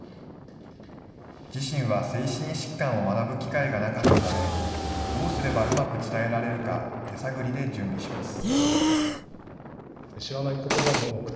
自身は精神疾患を学ぶ機会がなかったためどうすればうまく伝えられるか手探りで準備します。